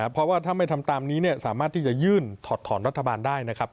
เพราะว่าถ้าไม่ทำตามนี้สามารถที่จะยื่นถอดถอนรัฐบาลได้นะครับ